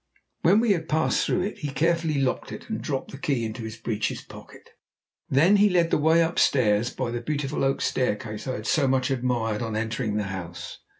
When we had passed through it he carefully locked it and dropped the key into his breeches' pocket. Then he led the way upstairs by the beautiful oak staircase I had so much admired on entering the house.